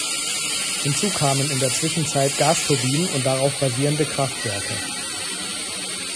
Hinzu kamen in der Zwischenzeit Gasturbinen und darauf basierende Kraftwerke.